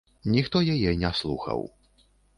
Ніхто яе не слухаў.